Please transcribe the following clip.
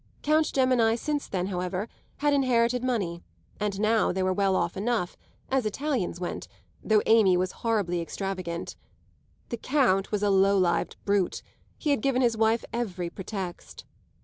Count Gemini since then, however, had inherited money, and now they were well enough off, as Italians went, though Amy was horribly extravagant. The Count was a low lived brute; he had given his wife every pretext.